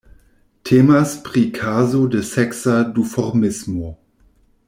Temas pri kazo de seksa duformismo.